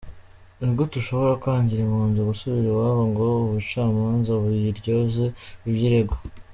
Ni gute ushobora kwangira impunzi gusubira iwabo ngo ubucamanza buyiryoze ibyo iregwa?”